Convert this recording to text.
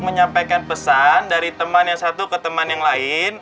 menyampaikan pesan dari teman yang satu ke teman yang lain